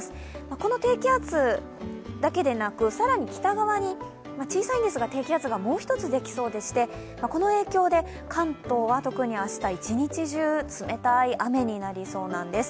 この低気圧だけでなく、更に北側に小さいんですが、低気圧がもう一つできそうでして、この影響で関東は特に明日、一日中冷たい雨になりそうなんです。